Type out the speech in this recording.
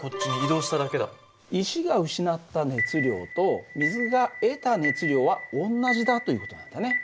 石が失った熱量と水が得た熱量は同じだという事なんだね。